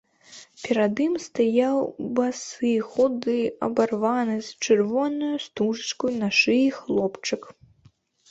Перад ім стаяў босы, худы, абарваны, з чырвонаю стужачкаю на шыі хлопчык.